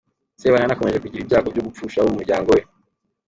Sebanani akomeje kugira ibyago byo gupfusha abo mu muryango we